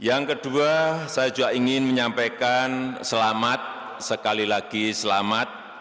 yang kedua saya juga ingin menyampaikan selamat sekali lagi selamat